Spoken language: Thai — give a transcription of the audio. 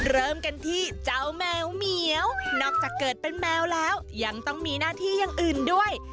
เริ่มกันที่เจ้าแมวเหมียวนอกจากเกิดเป็นแมวแล้วยังต้องมีหน้าที่อย่างอื่นด้วย